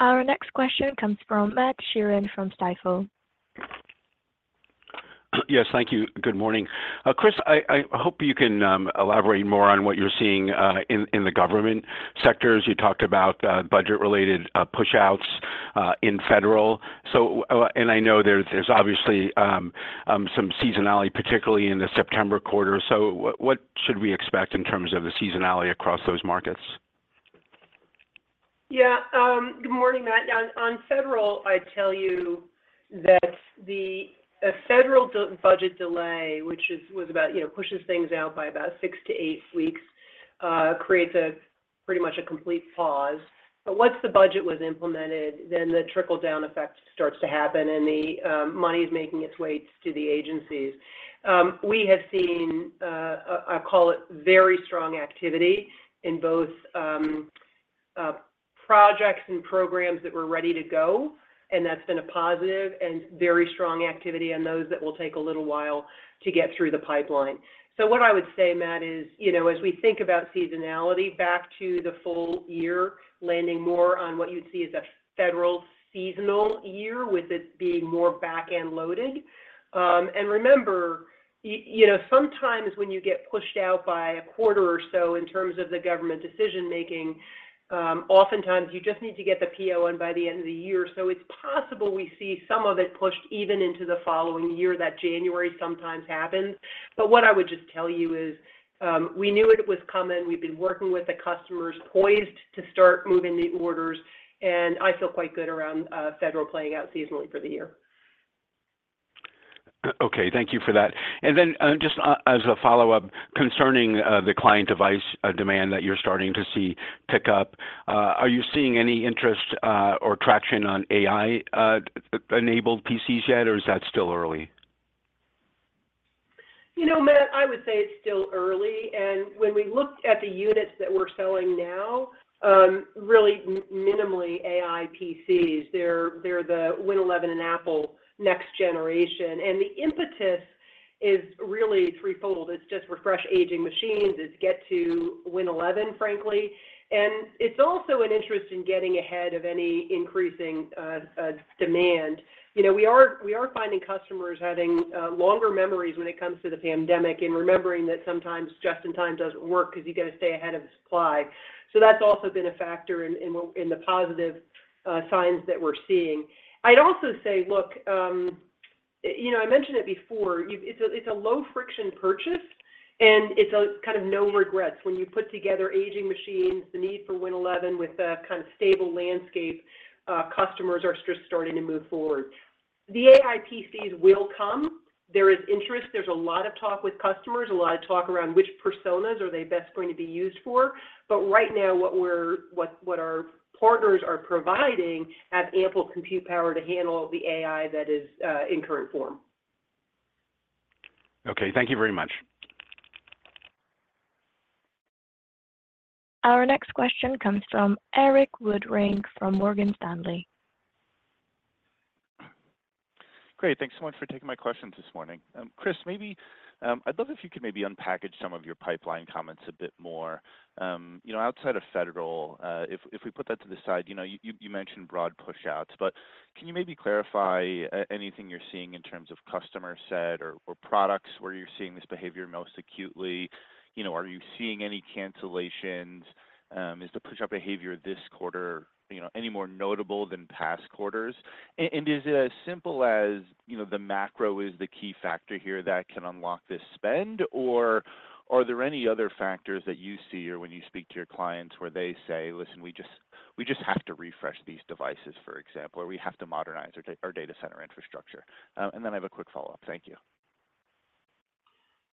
Our next question comes from Matthew Sheerin from Stifel. Yes, thank you. Good morning. Chris, I hope you can elaborate more on what you're seeing in the government sectors. You talked about budget-related push-outs in federal. So, and I know there's obviously some seasonality, particularly in the September quarter. So what should we expect in terms of the seasonality across those markets? Yeah, good morning, Matt. On federal, I'd tell you that a federal budget delay, which was about, you know, pushes things out by about six to eight weeks, creates a pretty much a complete pause. But once the budget was implemented, then the trickle-down effect starts to happen, and the money is making its way to the agencies. We have seen, I call it, very strong activity in both, projects and programs that were ready to go, and that's been a positive and very strong activity on those that will take a little while to get through the pipeline. So what I would say, Matt, is, you know, as we think about seasonality back to the full year, landing more on what you'd see as a federal seasonal year, with it being more back-end loaded. And remember, you know, sometimes when you get pushed out by a quarter or so in terms of the government decision-making, oftentimes you just need to get the PO in by the end of the year. So it's possible we see some of it pushed even into the following year, that January sometimes happens. But what I would just tell you is, we knew it was coming, we've been working with the customers poised to start moving the orders, and I feel quite good around federal playing out seasonally for the year. Okay, thank you for that. And then, just as a follow-up, concerning the client device demand that you're starting to see pick up, are you seeing any interest or traction on AI enabled PCs yet, or is that still early? You know, Matt, I would say it's still early, and when we looked at the units that we're selling now, really minimally AI PCs, they're the Win 11 and Apple next generation. And the impetus is really threefold. It's just refresh aging machines, it's get to Win 11, frankly, and it's also an interest in getting ahead of any increasing demand. You know, we are finding customers having longer memories when it comes to the pandemic, and remembering that sometimes just in time doesn't work because you got to stay ahead of the supply. So that's also been a factor in the positive signs that we're seeing. I'd also say, look, you know, I mentioned it before, it's a low-friction purchase, and it's a kind of no regrets. When you put together aging machines, the need for Win 11 with a kind of stable landscape, customers are just starting to move forward. The AI PCs will come. There is interest. There's a lot of talk with customers, a lot of talk around which personas are they best going to be used for, but right now, what our partners are providing have ample compute power to handle the AI that is in current form. Okay, thank you very much. Our next question comes from Eric Woodring, from Morgan Stanley. Great. Thanks so much for taking my questions this morning. Chris, maybe I'd love if you could maybe unpack some of your pipeline comments a bit more. You know, outside of federal, if we put that to the side, you know, you mentioned broad push-outs, but can you maybe clarify anything you're seeing in terms of customer set or products where you're seeing this behavior most acutely? You know, are you seeing any cancellations? Is the push-out behavior this quarter, you know, any more notable than past quarters? And is it as simple as, you know, the macro is the key factor here that can unlock this spend, or are there any other factors that you see, or when you speak to your clients, where they say, "Listen, we just, we just have to refresh these devices," for example, or, "We have to modernize our data center infrastructure?" And then I have a quick follow-up. Thank you.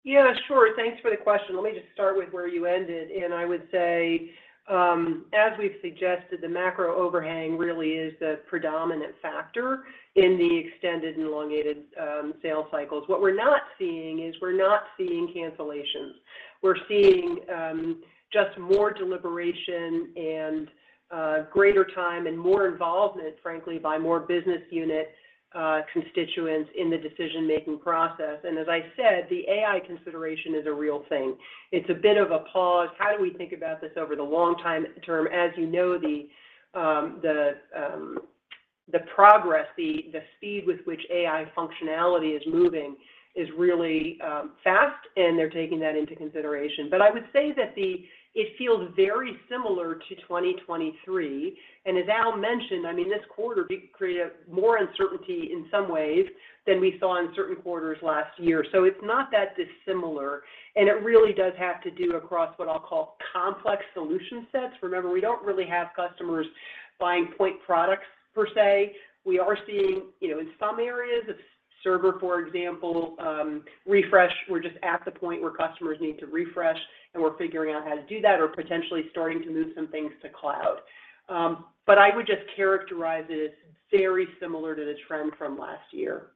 Yeah, sure. Thanks for the question. Let me just start with where you ended, and I would say, as we've suggested, the macro overhang really is the predominant factor in the extended and elongated, sales cycles. What we're not seeing is, we're not seeing cancellations. We're seeing, just more deliberation and, greater time and more involvement, frankly, by more business unit, constituents in the decision-making process. And as I said, the AI consideration is a real thing. It's a bit of a pause. How do we think about this over the long-term? As you know, the progress, the speed with which AI functionality is moving is really, fast, and they're taking that into consideration. But I would say that it feels very similar to 2023. As Al mentioned, I mean, this quarter did create more uncertainty in some ways than we saw in certain quarters last year. It's not that dissimilar, and it really does have to do across what I'll call complex solution sets. Remember, we don't really have customers buying point products per se. We are seeing, you know, in some areas, a server, for example, refresh. We're just at the point where customers need to refresh, and we're figuring out how to do that or potentially starting to move some things to cloud. But I would just characterize it as very similar to the trend from last year.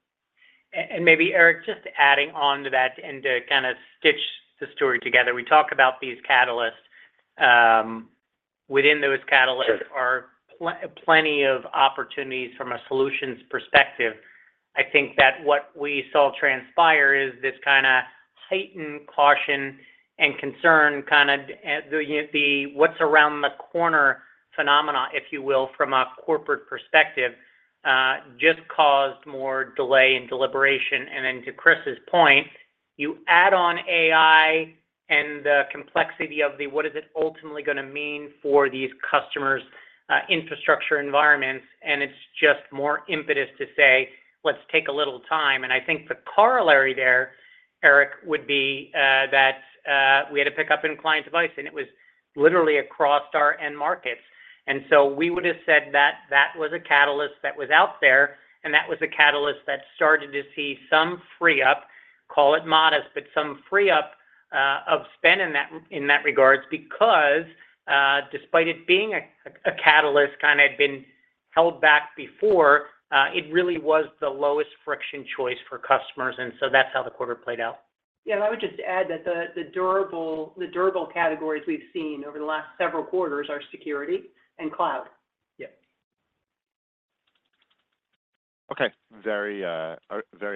Maybe, Eric, just adding on to that and to kind of stitch the story together. We talk about these catalysts. Within those catalysts Sure are plenty of opportunities from a solutions perspective. I think that what we saw transpire is this kind of heightened caution and concern, kind of, the what's around the corner phenomena, if you will, from a corporate perspective, just caused more delay and deliberation. And then to Chris's point, you add on AI and the complexity of the what is it ultimately gonna mean for these customers', infrastructure environments, and it's just more impetus to say, "Let's take a little time." And I think the corollary there, Eric, would be, that, we had a pickup in client device, and it was literally across our end markets. And so we would have said that that was a catalyst that was out there, and that was a catalyst that started to see some free up, call it modest, but some free up, of spend in that, in that regards, because, despite it being a catalyst, kind of been held back before, it really was the lowest friction choice for customers, and so that's how the quarter played out. Yeah, and I would just add that the durable categories we've seen over the last several quarters are security and cloud. Yeah. Okay. Very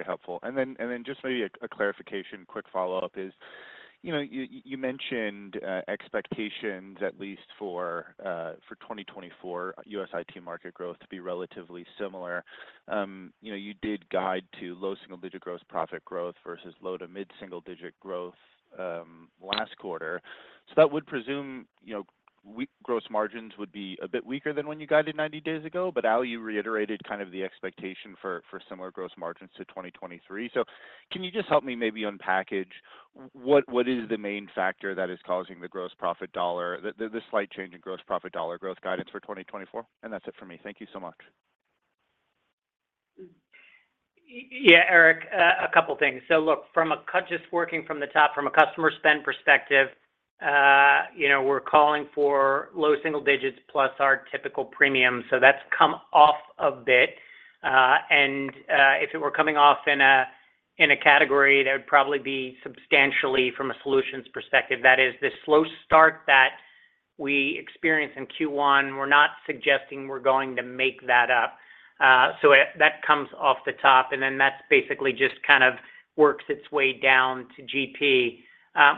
helpful. And then just maybe a clarification, quick follow-up is, you know, you mentioned expectations, at least for 2024 US IT market growth to be relatively similar. You know, you did guide to low-single-digit gross profit growth versus low- to mid-single-digit growth last quarter. So that would presume, you know, weak gross margins would be a bit weaker than when you guided 90 days ago. But Al, you reiterated kind of the expectation for similar gross margins to 2023. So can you just help me maybe unpackage what is the main factor that is causing the gross profit dollar, the slight change in gross profit dollar growth guidance for 2024? And that's it for me. Thank you so much. Yeah, Eric, a couple of things. So look, from a just working from the top, from a customer spend perspective, you know, we're calling for low single digits plus our typical premium, so that's come off a bit. If it were coming off in a category, that would probably be substantially from a solutions perspective. That is, the slow start that we experienced in Q1, we're not suggesting we're going to make that up. So it that comes off the top, and then that's basically just kind of works its way down to GP.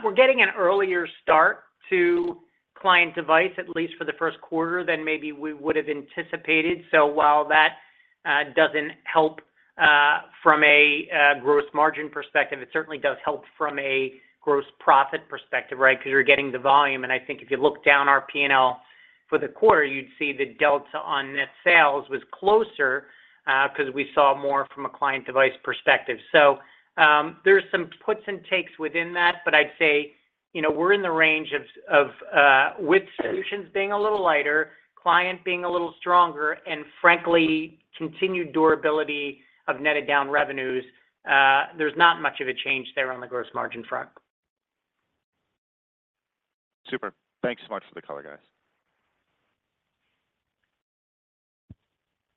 We're getting an earlier start to client device, at least for the first quarter, than maybe we would have anticipated. So while that doesn't help from a gross margin perspective, it certainly does help from a gross profit perspective, right? Because you're getting the volume. And I think if you look down our P&L for the quarter, you'd see the delta on net sales was closer, 'cause we saw more from a client device perspective. So, there's some puts and takes within that, but I'd say, you know, we're in the range of, of, with solutions being a little lighter, client being a little stronger, and frankly, continued durability of netted down revenues, there's not much of a change there on the gross margin front. Super. Thanks so much for the color, guys.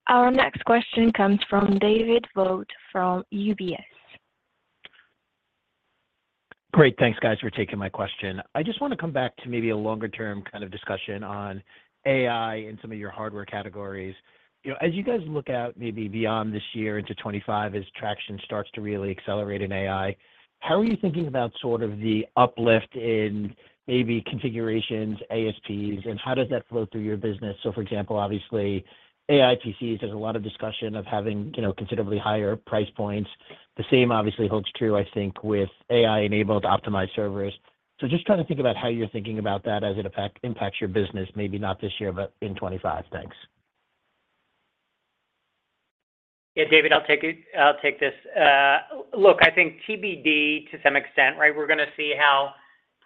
Our next question comes from David Vogt from UBS. Great. Thanks, guys, for taking my question. I just wanna come back to maybe a longer-term kind of discussion on AI and some of your hardware categories. You know, as you guys look out maybe beyond this year into 2025, as traction starts to really accelerate in AI, how are you thinking about sort of the uplift in maybe configurations, ASPs, and how does that flow through your business? So for example, obviously, AI PCs, there's a lot of discussion of having, you know, considerably higher price points. The same obviously holds true, I think, with AI-enabled optimized servers. So just trying to think about how you're thinking about that as it impacts your business, maybe not this year, but in 2025. Thanks. Yeah, David, I'll take it, I'll take this. Look, I think TBD to some extent, right? We're gonna see how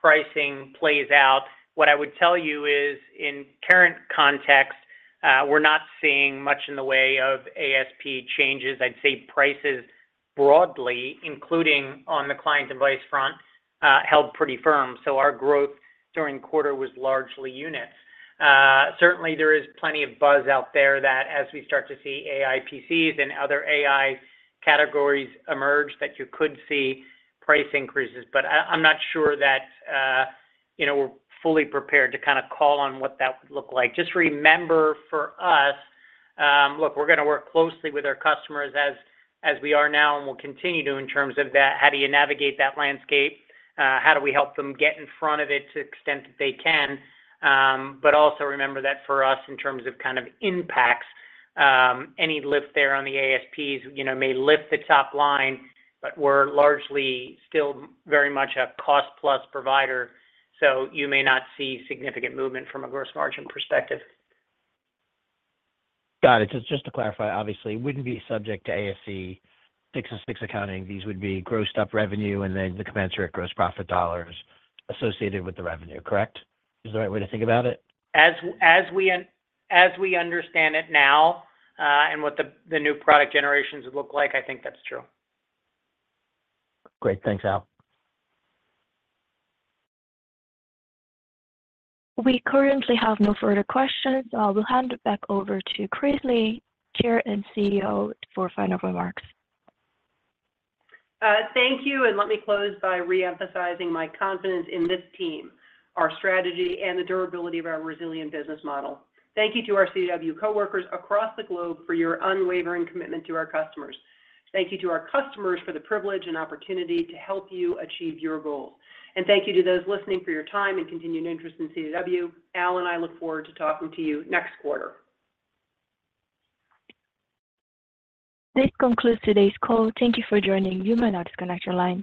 pricing plays out. What I would tell you is, in current context, we're not seeing much in the way of ASP changes. I'd say prices broadly, including on the client device front, held pretty firm, so our growth during quarter was largely units. Certainly there is plenty of buzz out there that as we start to see AI PCs and other AI categories emerge, that you could see price increases. But I'm not sure that, you know, we're fully prepared to kinda call on what that would look like. Just remember, for us, look, we're gonna work closely with our customers as we are now, and we'll continue to, in terms of that, how do you navigate that landscape? How do we help them get in front of it to the extent that they can? But also remember that for us, in terms of kind of impacts, any lift there on the ASPs, you know, may lift the top line, but we're largely still very much a cost-plus provider, so you may not see significant movement from a gross margin perspective. Got it. Just, just to clarify, obviously, it wouldn't be subject to ASC 606 accounting. These would be grossed-up revenue and then the commensurate gross profit dollars associated with the revenue, correct? Is the right way to think about it? As we understand it now, and what the new product generations look like, I think that's true. Great. Thanks, Al. We currently have no further questions. We'll hand it back over to Christine, Chair and CEO, for final remarks. Thank you, and let me close by re-emphasizing my confidence in this team, our strategy, and the durability of our resilient business model. Thank you to our CDW coworkers across the globe for your unwavering commitment to our customers. Thank you to our customers for the privilege and opportunity to help you achieve your goals. Thank you to those listening for your time and continued interest in CDW. Al and I look forward to talking to you next quarter. This concludes today's call. Thank you for joining. You may now disconnect your lines.